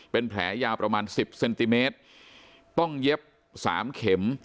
เป็นแผลยาวประมาณ๑๐เซนติเมตรต้องเย็บสามเข็ม